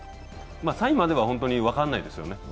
３位までは本当に分からないですよね。